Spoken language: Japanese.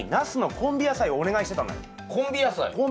コンビ野菜。